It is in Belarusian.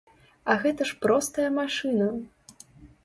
А гэта ж простая машына!